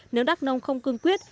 nếu đắc nông không cương quyết